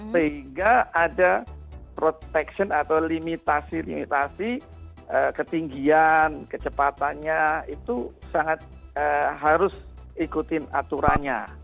sehingga ada protection atau limitasi limitasi ketinggian kecepatannya itu sangat harus ikutin aturannya